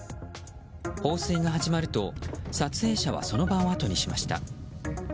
放水が始まると撮影者はその場をあとにしました。